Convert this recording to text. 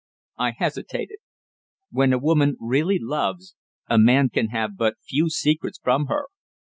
I hesitated. When a woman really loves, a man can have but few secrets from her.